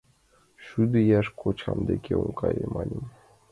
— Шӱдӧ ияш кочам деке ом кае, — маньым.